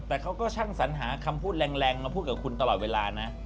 แต่เขาก็ช่างสัญหาคำพูดแรงมาพูดกับคุณตลอดเวลานะ